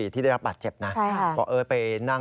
ที่ได้รับบางปัตย์เจ็บนะ